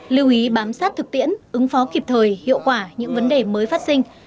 lưu ý bám sát thực tiễn ứng phó kịp thời hiệu quả những vấn đề mới phát sinh